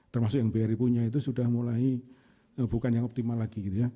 termasuk yang bri punya itu sudah mulai bukan yang optimal lagi gitu ya